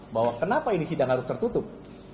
bahwa kenapa ini sidang harus tertutup